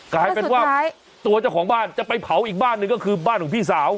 กลายเป็นว่าตัวเจ้าของบ้านจะไปเผาอีกบ้านหนึ่งก็คือบ้านของพี่สาว